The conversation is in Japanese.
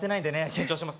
緊張します